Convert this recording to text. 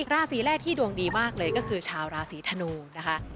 ราศีแรกที่ดวงดีมากเลยก็คือชาวราศีธนูนะคะ